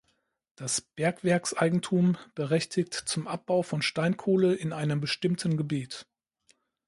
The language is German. Das Bergwerkseigentum berechtigt zum Abbau von Steinkohle in einem bestimmten Gebiet.